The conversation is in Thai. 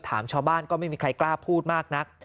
ถามชาวบ้านก็ไม่มีใครกล้าพูดมากนัก